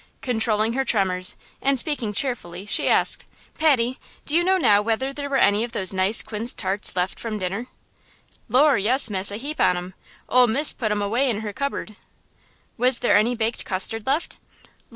Controlling her tremors, and speaking cheerfully, she asked: "Patty, do you now whether there were any of those nice quince tarts left from dinner?" "Lor', yes, miss, a heap on 'em! Ole Mis' put 'em away in her cubberd." "Was there any baked custard left?"